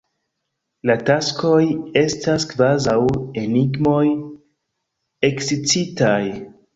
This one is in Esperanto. La taskoj estas kvazaŭ enigmoj ekscitaj.